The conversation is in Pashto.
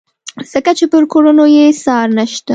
ځکه چې پر کړنو یې څار نشته.